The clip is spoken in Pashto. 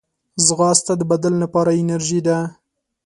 ځغاسته د بدن لپاره انرژي ده